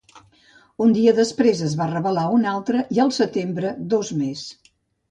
Un dia després, es va revelar un altre, i al setembre dos més.